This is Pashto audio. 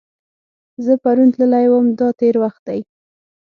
زه پرون تللی وم – دا تېر وخت دی.